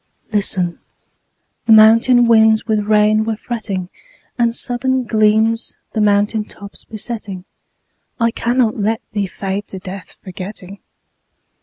Listen: the mountain winds with rain were fretting, And sudden gleams the mountain tops besetting. I cannot let thee fade to death, forgetting.